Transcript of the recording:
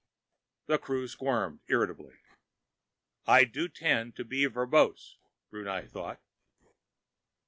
The crew squirmed irritably. I do tend to be verbose, Brunei thought.